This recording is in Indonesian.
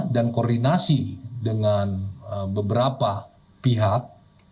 dan koordinasi dengan beberapa pihak